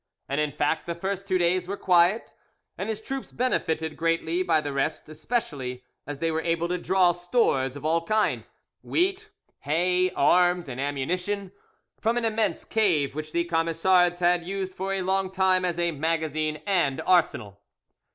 And in fact the first two days were quiet, and his troops benefited greatly by the rest, especially as they were able to draw stores of all kinds—wheat, hay, arms, and ammunition—from an immense cave which the Camisards had used for a long time as a magazine and arsenal.